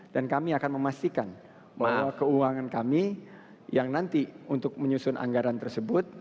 dan kami akan memastikan bahwa keuangan kami yang nanti untuk menyusun anggaran tersebut